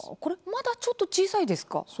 まだちょっと小さいですか。